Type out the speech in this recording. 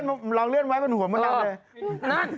นั่นเอาขึ้นไว้บนคนี้เอาขึ้นมา